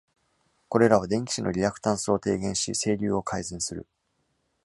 これらは電機子のリアクタンスを低減し、整流を改善する。